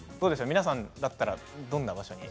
皆さんだったらどんな場所に？